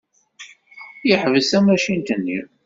Yeḥbes tamacint-nni.